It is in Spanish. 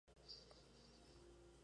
Fue editado por Stanley Sadie.